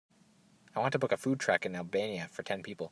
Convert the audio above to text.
I want to book a food truck in Albania for ten people.